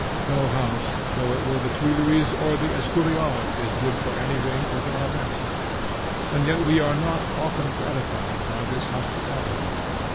No house, though it were the Tuileries or the Escurial, is good for anything without a master. And yet we are not often gratified by this hospitality.